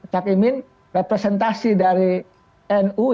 cakimin representasi dari nu